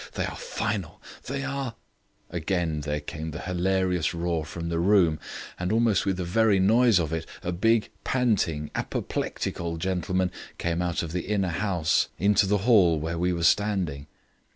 They are final; they are " Again there came the hilarious roar from the room, and almost with the very noise of it, a big, panting apoplectic old gentleman came out of the inner house into the hall where we were standing.